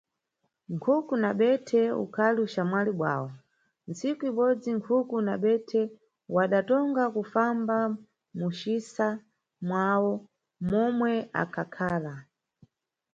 Nkhuku na bethe udali uxamwali bwawo, tsiku ibodzi, Nkhuku na Bethe wadatonga kufamba mucisa mwawo momwe akhakhala.